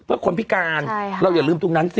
เพื่อคนพิการเราอย่าลืมตรงนั้นสิ